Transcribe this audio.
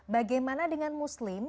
bagaimana dengan muslim